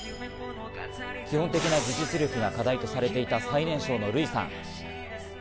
基本的な技術力が課題とされていた最年少のルイさん。